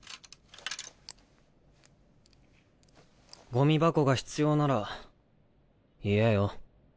ゴミ箱が必要なら言えよ。